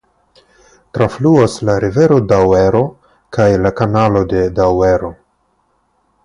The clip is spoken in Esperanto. Trafluas la rivero Duero kaj la Kanalo de Duero.